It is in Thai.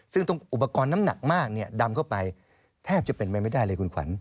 ซึ่งอุปกรณ์น้ำหนักมากดำเข้าไปแทบจะเป็นไปไม่ได้เลยคุณขวัญ